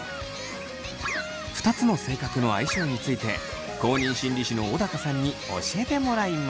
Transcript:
２つの性格の相性について公認心理師の小高さんに教えてもらいます。